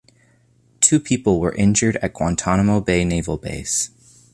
Two people were injured at Guantanamo Bay Naval Base.